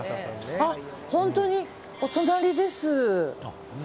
あ、本当にお隣です。